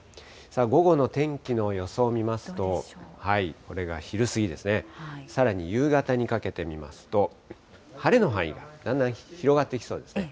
午後の天気の予想見ますと、これが昼過ぎですね、さらに夕方にかけて見ますと、晴れの範囲が、だんだん広がっていきそうですね。